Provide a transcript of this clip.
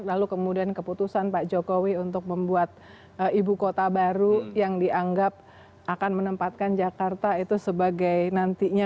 lalu kemudian keputusan pak jokowi untuk membuat ibu kota baru yang dianggap akan menempatkan jakarta itu sebagai nantinya